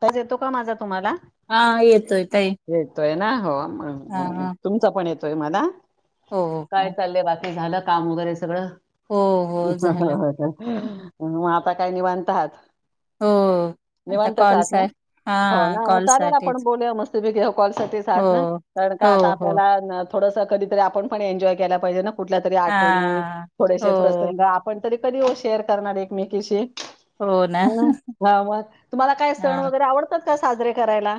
त्याच येतो का माझा तुम्हाला हा येतोय ताई येतोय ना. हा हा तुमचा पण येतोय मला हो हो काय चाल बाकी झाल. का वगरे सगळग हो हो झालं काय निवांतहात. हम. निवांतचहात ना हो ना मग चालेल आपण साठीच बोल मस्त हो कण का हो हो आपल्या थोडस कधीतरी आपण पण एन्जॉय केला पाहिजे ना कुठल्या तरी हा आठवणी हो थोडेसे प्रसंग आपण तरी कधी हो शेअर करणार एकमेकीशी हो ना ह ह मग मला काय सण हा वगैरे आवडतात का साजरे करायला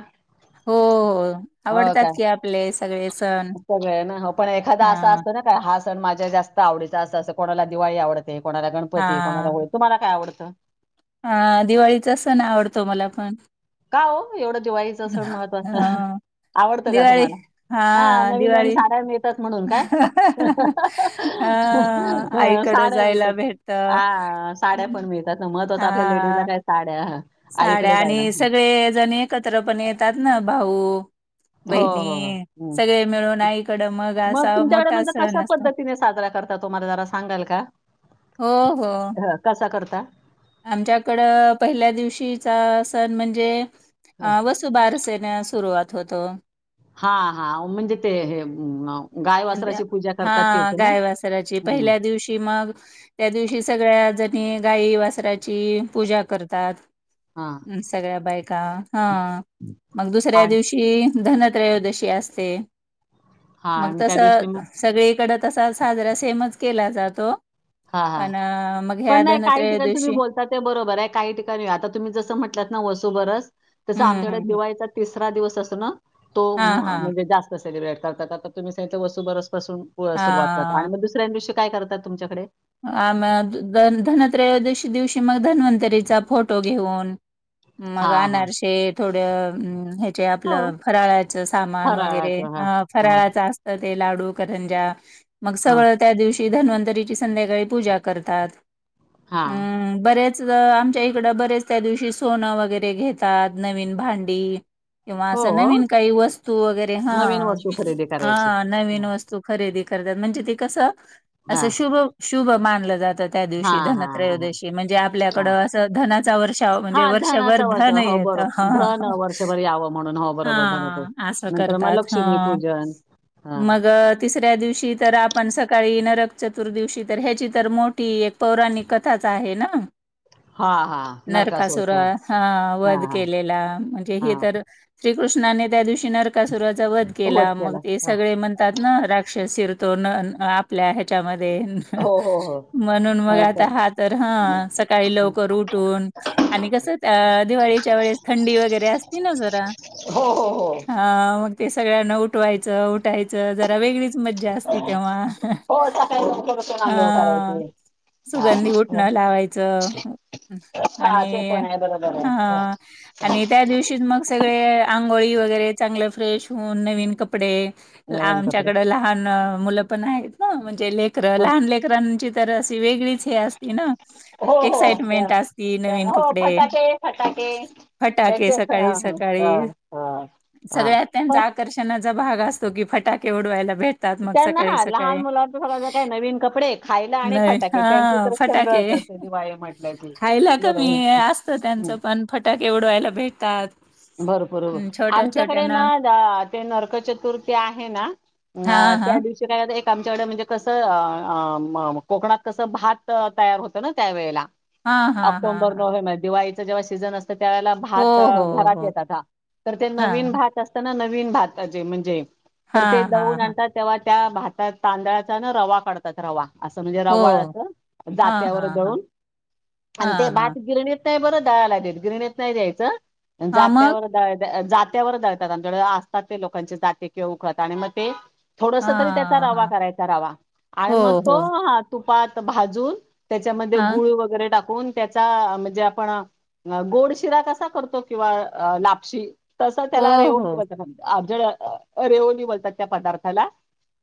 हो. हो हो आवडतात काय की आपले सगळे सण सगळ ना हो पण एखादा हा असा असतो ना काय ह. सण माझ्या जास्त आवडीचा असं कोणाला दिवाळी आवडते कोणाला गणपती कोणाला होळी तुम्हाला काय आवडते. [unintelligible] अ दिवाळीचा सण आवडतो मला पण का हो एवढं दिवाळीचं असल महत्त्वाच ह आवडतं का तुम्हाला हा नवीन नवीन दिवाळी साड्या मिळतात म्हणून काय? हा आईकडं साड्या जायला मिळतात भेटत ह साड्या पण मिळतात. महत्वाच आपल्या लेडीजला हा काय साड्या आईकडे साड्या जायला आणि हं. सगळे जण एकत्र पण येतात ना भाऊ हो बहिणी सगळे मिळून आईकडं मग असा मोठा तुमच्याकडे सण कश्या असतो पद्धतीने साजरा कर तुम्हाला जरा सांगाल का? हो हो. हं, कसा करता आमच्याकडं पहिल्या दिवशीचा सण म्हणजे वसुबार असेल. सुरुवात होतो. हा हा म्हणजे ते हे. गाय वासराची पूजा करतात तेच हा ना? गायवासराची हं. पहिल्या दिवशी मग त्या दिवशी सगळ्या ज गाई वासराची पूजा करतात. हां. हम् सगळ्या बायका हा मग दुसऱ्या आणि दिवशी धनत्रयोदशी असते हां मग आणि तस त्या दिवशी मग सगळीकड तसा साजरा सेमच केला जातो हां, हां. पण मग ह्या पण नाही काही धनत्रय ठिकाणी तुम्ही दिवशी बोलता ते बरोबर आहे काही ठिकाणी आता तुम्ही जसं म्हटलंत ना वसूबरस तसं हम्म आमच्याकडे हम्म दिवाळीचा तिसरा दिवस असो ना तो हा हा म्हणजे जास्त सेलिब्रेट करात आता तुम्ही सगितलं वसू बरस पासून सुरुवात करात हा. आणि मग दुसऱ्या दिवशी काय करतात तुमच्याकडे आम धनवत्रयोदशी दिवशी मग धन्वंतरीचा फोटो घेऊन मग हां, हां. आनारसेे थोड. ते आपलं हो, फराळाचं सामान वगैरे फराळाचं. हां, हां, फराळाचं ते लाडू करंजा मग हां, सगळं त्या दिवशी धन्वंतरीची संध्याकाळी पूजा करतात. हां. हम्म बर. आमच्या इकडं बरेच त्या दिवशी सोनं वगैरे घेतात नवीन भांडी किंवा हो, असं नवीन काही वस्तू वगैरे हा नवीन वस्तू खरेदी करायची. हा नवीन हं. वस्तू खरेदी तात म्हणजे ते कस अस हां, शुभ शुभ मानलं जात. त्या दिवशी हां, हां, हां, हां. धनत्रयोदशी म्हणजे हा आपल्याकडं असं धनाचा वर्षा म्हणजे हा वर्षभर धनाचा वर्ष धन हो बरोबर हा धन वर्षभर यावं म्हणून हो बरोबर धनाचं असं नंतर मग करतात ह. लक्ष्मी पूजन हा मग तिसऱ्या दिवशी तर आपण सकाळी नरक चतुर्दिशी तर ह्याची तर मोठी एक पौराणिक कथाच आहे ना. हा हा नरकासुर नरकासुरचा हा हा वध हा केलेला म्हणजे हा हे तर श्रीकृष्णाने त्या दिवशी नरकासुराचा वध केला मग ते सगळे म्हणतात ना राक्षसीर तो न आपल्या ह्याच्यामध्ये हो हो हो म्हणून मग आता हा तर ह सकाळी हा. लवकर उठून आणि कस दिवाळीच्या वेळेस थंडी वगैरे असती ना जरा. हो हो हो हा मग ते सगळ्यांना उठवायचं उठायचं जरा वेगळीच मज्जा असती तेव्हा अंघोळ हा करायचे सुगंधी उठणं लावायचं. हा ते आणि पण आहे बरोबर आहे हा हा. आणि त्या दिवशी मग सगळे अंग [unintelligible] आंघोळी वगैरे चांगल फ्रेश होऊन नवीन कपडे नवीन कपडे आमच्याकड लहान मु लपण आहेत ना म्हणजे लेकरं हा. लहान लेकरांची तर अस वेगळीच हे असती ना हो हो त्या- एक्साइटमेंट असती त्या- नवीन हो कपडे फटाके फटाके फटाके त्यांचे फ- सकाळी हा हा सकाळी हा हा. हा. सगळ्यात त्यांचं हो आकर्षणच चा भाग असतो की फटाके उडवायला. भेटतात मग त्यांना सकाळी हा लहान सकाळी मुला तर सगळं ज काही. नवीन कपडे खायला आणि नवीन फटाके त्यांची हा तर फटाके चंगळच असे दिवाळे म्हटलं कि असत त्यांच पण फटाके उडवायला भेटतात. बरोबर हं, छोट्या आमच्याकडे ना छोट्यांना ते नरकचतुर्थी आहे ना ह हां, त्या हां. दिवशी काय होतं आमच्याकडे म्हणजे कसं कोकणात कसं भात तयार होतं ना त्यावेेळेला हां, हां, हां, ऑक्टोंबर हां. नोव्हेंबर दिवाळीत ज्यावेळेला सीजन असतो त्यावेळेला हो, भात हो, घरात हो. येता [unintelligible] तर ते नवीन हां. भात असताना नवीन नवीन भात तर ते हां, दळून हां, हां. म्हणतात तेव्हा त्या भातात तांदळाचा ना रवा काढतात रवा असं म्हणजे हो. रवाळ असं हां, जात्यावर हां, हां. दळून आणि ते हां, हां. भात गिरणी बरं दळायला देत गिरणीत नाही द्यायचं हां, मग? जात्यावर द्यायचं जात्यावर जात्यावर दळतात आणि असतात ते लोकांचे जाते किंवा उखळ आणि मग ते थोडसं तरी त्याचा हां, रवा हां. करायचा रवा आणि हो, मग हो. तो तुपात भाजून त्याच्यामध्ये हां. गुळ वेगैरे टाकून त्याचा म्हणजे आपण गोडशिरा कसा करतो किंवा लापशी तसं हो, त्याला हो. रेवली ज रेवोली बोलतात त्या पदार्थाला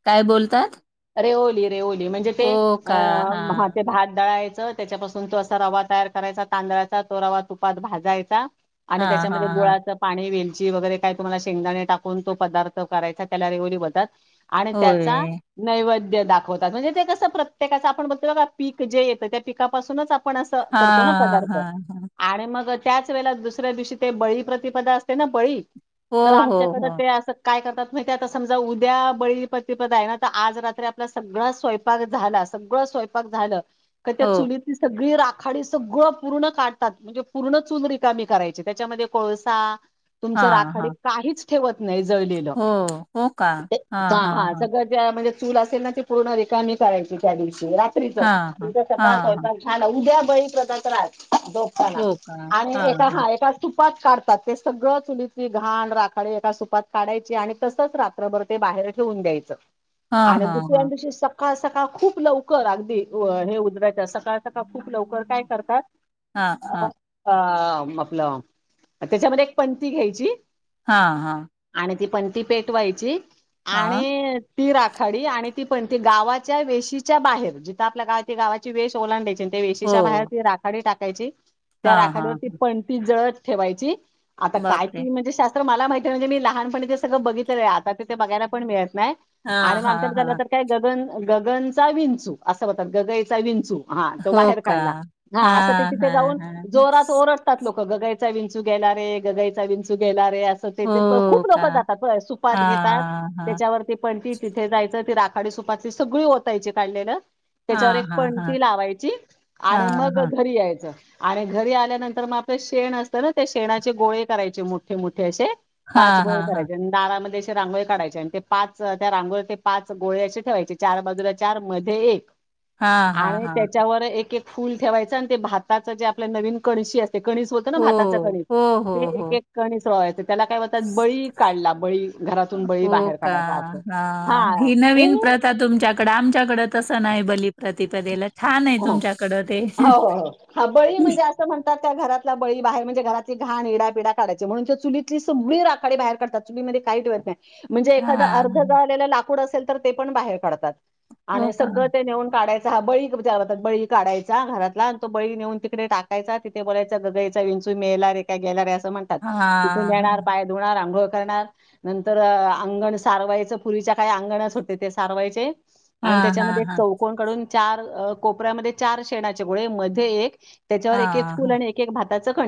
काय बोलतात रेओली रेओली म्हणजे ते हो का? हां, भात दळायच त्याच्यापासुन तो असा रवा तयार करायचा तांदळाचा तो रवा तुपात भाजायचा आणि हां, हां, त्याच्यामध्ये हां. हां. गुळाचं पाणी वेल ची वेगैरे काय तुम्हाला शेंगदाणे टाकून तो पदार्थ करायचा त्याला रेओली बोलतात आणि त्याचा होय. नैवेद्य दाखवतात म्हणजे ते कसं प्रत्येकाचं आपण बोलतो बघ पीक जे येतं त्या पिकापासुनच आपण आपण असं करतो ना हां, पदार्थ हां, हां. आणि मग त्याच वेळेला दुसऱ्या दिवशी ते बळी प्रतिपदा असते ना बळी हो, तर हो, आमच्याकडें हो. ते असं काय करतात माहितीये आता समजा उद्या बळीप्रतिपद आहे ना तर आज रात्री आपला सगळां स्वयंपाक झाला- सगळं स्वयंपाक झालं- का त्या हो. चुलीतली सगळी राखाडी सगळं पूर्ण काढतात म्हणजे पुर्ण चूल रिकामी कराय ची त्याच्यामध्ये कोळसा तुमचं हां, राखाडी हां. काहीच ठेवत नाहीत जळलेल हो. हो का? हां, [inaudible] हां, हां. चुल असेल ना ते पुर्ण रिकामी करायची त्या दिवशी रात्रीच हां, हां. तुमचा सगळा हां, हां. स्वयंपाक झाला उद्या बळी प्रतिपदा झोपतांना हो का? आणि हां, एका हां. हा एका सुपात काढतात ते सगळं चुलीची घाण राखड एका सुपात काढायची आणि तसंच रात्रभर बाहेर ठेवून द्यायचं हां, आणि हां, दुसऱ्या हां. दिवशी सका सकाळ सकाळ खुप लवकर अगदी हे उजेडाच्या सकाळ सकाळ खुप लवकर काय करतात हां, हां. अ आपलं त्याच्यामध्ये एक पंती घ्यायची हा हा आणि ती पंती पेटवायची हां. आणि ती राखाडी आणि ती पंती गावाच्या वेशीच्या बाहेर जिथं आपल्या गाव त गावाची वेश ओलांडायची त्या वेशीच्या बाहेर हो. ती राखाडी टाकायची त्या हा, हा. राखडीवरती पणती जळत ठेवायची आता काय बापरे! ती म्हणजे शास्त्र मला माहिती आहे म्हणजे मी लहानपणी ते सगळ बघितलं आहे आता ते बघायला पण मिळेत नाही हां, आणि मग हां, आमच्या हां. तर काय गगन गगनचा विंचू असा होतात गगईचा विंचू हा तो हो बाहेर का? काढला हा असं ते हां, तिथे हां, जाऊन हां. जोरात ओरड लोकं गगायचा विंचू घेणारे, गगाईचा विंचु घेणारे हो खुप का? लोक जातात सुपात घेतात हां, हां. त्याच्यावरती पणती तिथे जायचं ती आधी सुपातली सगळी होतायचे काढलेलं त्याच्यावर हां, एक हां, हां. पणती लावायची आणि हां, मग हां. घरी यायचं आणि घरी आल्यानंतर तर मग आपलं शेण असतं ना त्या शेणाचे गोळे करायचे मोठे मोठे असे पाच हां, गोळे हां, हां. करायचे दारामध्ये रांगोळी काढायचे आणि ते पाच त्या रांगोळी ते पाच गोळे असे ठेवायचे चार बाजूला चार मध्ये एक हां, हां, आणि हां. त्याच्यावर एक एक फुल ठेवायच आणि ते भाताच जे आपल्या नवीन कळशी अस कणी होत ना हो. भाताचा कणीत हो, हो, ते एक हो. एक कणीस त्याला काय म्हणतात तात बळी काढला बळी घरातुन बळी हो बाहेर का? काढायचा असं हां. हा ही म्हण नवीन प्रथा तुमच्याकडं आमच्याकडे तसं नाही बलिप्रतिपदेला छान आहे हो तुमच्याकड ते हो हो हो हा बळी म्हणजे असं म्हणतात त्या घरातल्या बळी बाहेर म्हणजे घरातली घाण ईडा पिडा काढायचे म्हणून त्या चुली सगळी राखाडी बाहेर काढतात चुलीमध्ये काही ठेवत नाही म्हणजे एखादं अर्ध हां. झालेलं लाकूड असेल तर ते पण बाहेर काढतात हो आणि का? सगळं ते नेऊन काढायचं बळी बळी काढायचा घरातला आणि तो बळी नेऊन तिकडे टाकायचा तिथे बळेचा गगाईचा विंचू मेला रे काय गेला रे अस म्हणतात हां, तिथुन येणार हां. पाय धुणार आंघोळ करणार नंतर अंगण सारवायचं पुर्वीच्या काळी अंगणच होते ते सारवायचे आणि हां, हां, त्याच्यामध्ये एक हां. चौकोण काढून चार कोपऱ्यामध्ये चार शेणाचे गोळे मध्ये एक हा हा भाताच ख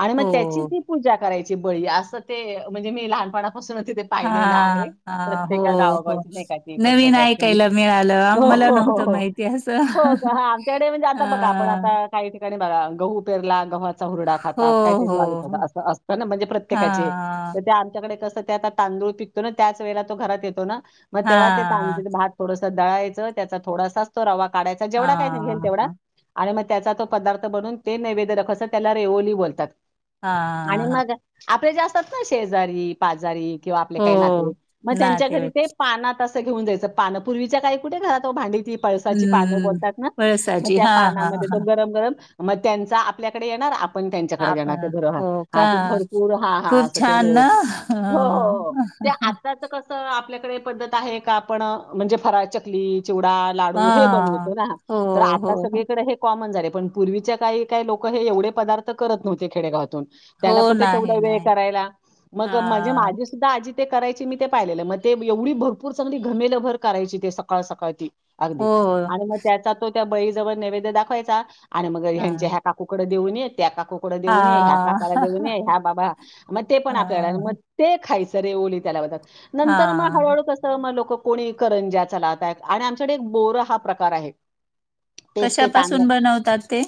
आणि मग त्याची ती पूजा करायची बळी अस ते म्हणजे मी लहपणा ून तिथे पाहिलेलं हां, आहे हां. हो, प्रत्येका हो. गावागावची नकाची नवीन पद्धत असेल ऐकायला मिळालं. हो मला हो नव्हतं हो माहिती असं. हो हा त्याकडे म्हणजे आता बघा आपण हां. आता काही ठिकाणी गहू पेरला ग हरडा हो, खातात का हो, जळी हो. अस असत म्हणजे प्रत्येकाचे हां, तर त्या आमच्याकडे कस तांदूळ पिकतो ना त्याच वेला तो घात येतो ना मग तेव्हा तेां हां, भात थड दळायचं त्याचा थोडासा असतो रवा काढायचा जेवढा काय नाहीघेल तेवढा हां, आणि त्याचा तो पदार्थ बनून ते नैवेद्य रख अस त्याला रेओली बोलतात हा आणि हा मग जे असतात ना शेजारी पाजारी किंवा आपले हो, काही नाते मग त्यांच्या घरी नातेवाईक. ते पाना घेऊन जायच पानपूर्वी का कुठे घरातो भांडी पळसाची पानं हं, बोलतात ना म पळसाची. त्या हां, हां, पानामध्ये तो हां. गरम गरम म त्यांचा आपल्याकडे येणार पण त्यांच्याकडे जाणार ते आपण घरोहर हो हा का? ते भरपूर हा हा खूप असं ते छान रेव ना? हो हां. हो ते आत्ताच कसं आपल्याकडे पद्धत आहे का आपण म्हणजे फराळ चकली ला ब हां. हो, हो, आता सक हो. क झा प पू काही काय लोक हे एवढे पदार्थ करत नव्हते खेडेगावातून त्यांना हो, कुठे तेवढा नाही, वेळ नाही. करायला मग म्हणे हां. माझे सुद्धा आी ते करायची मी ते पाहिलेलं मग ते एवढी भरपूर चांगली घमेल भर करायची ते सकाळ सकाळ त अगदी हो. आणि मग त्याचा तो त्या बळी जवळ नैवेद्य दाखवायचा आणि मग हां, ह्या काकूकडे देऊन येत त्या का कुकड देऊन येे ह्या हां. काकाला देऊन येे ह्या बाबा मग ते पण आपल्याला मग हां, ते खायचं े ओली त्याला ब नंतर मग हां. हळूहळू कसं लोक कोणी करंज्या लाता आहेत आणि आमच्याकडे एक बोर हा प्रकार आहे कशापासून बनवतात ते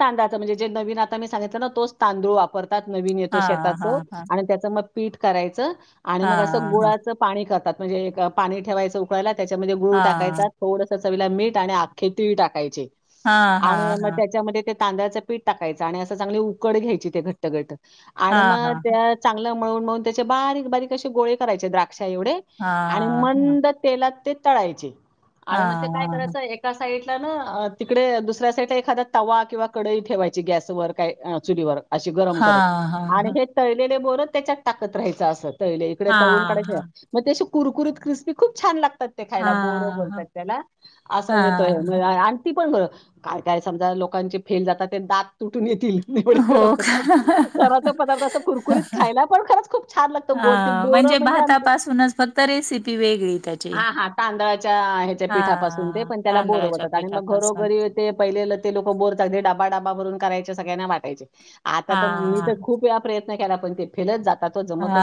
तांददाच म्हणजे जे नवीन आता मी सांगितलं ना तोच तांदूळ वापरतात नवीन येतो शेतात हां, तो हां, हां. आणि त्याच मग पीठ करायचं आणि मग असं हां, हां. गुळाचं पाणी करतात म्हणजे पाणी ठेवायचं उकळला त्याच्यामध्ये गुळ टाकायचा हां. थोडस चवीला मीठ आणि आख्खे तीळ टाकायचे हा हा आणि मग हा त्याच्यामध्ये ते तांदळा्याच पीठ टाकायच आणि अस चांगली उकड घ्यायची ते घट्ट घट आणि हां, मग हां, त्या चांगल्या मळून मळून त्याचे बारीक बारीक असे गोळे करायचे द्राक वढ आणि हां. मंद तेलात ते तळायचे आणि मग ते हां, काय हां. करायचं एका साइडला ना तिकडे दुसऱ्या साईडला एखादा्या तवा किंवा कडई ठेवायची गॅसवर काय चुरीवर अशी गरम करत हां, हां, हां, आणि हां. हे तळलेले बोरत त्याच्यात टाकत राहायचं असत इकडे हां, तळकडे हां. मग त्याची कुरकुरीत क्रिस्पी खूप छान लागते ते खायला बोरं हां, बोलतात हां. त्याला असं हां, म्हणजेतोय हां. आणि ती पण ब काय काय समजा लोकांचे फेल जातात ते दात तुटून येत वकड हो होत का? खर तर पदार्थ अस कुरकुरीत खायला पण खंच खूप छान लागतं गोड हां, बोर म्हणजे भातापासूनच फक्त रेसिपी वेगळी त्याची. हा हा तांदळाच्या ह्याच्या पठपास प हां, त्याला बोरत तांदळाच्या म पिठापासून. घरोघरी ते पहिले लोक डबा भ कय सगळ्यांना वा हां, आी खूप प्रय केला पण ते फेलत जात हा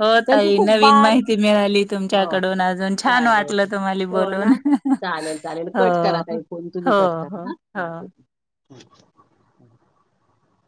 हो तई खूप नवीन बारीक माहिती मिळाली हो, तुमच्याकडून अजून छान चालेल. वाटलं तमली हो बोलून ना? चालेल, चालेल. हो कट करा ताई हो हो हो ह